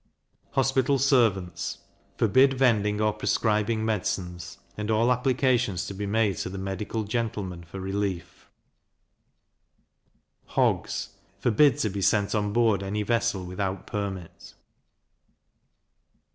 Hospital Servants forbid vending or prescribing medicines; and all applications to be made to the medical gentlemen for relief. Hogs forbid to be sent on board any vessel without permit.